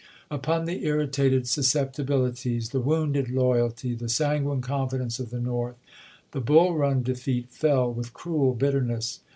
Upon the irritated susceptibilities, the wounded loyalty, the sanguine confidence of the North, the Bull Run defeat fell with cruel bitterness.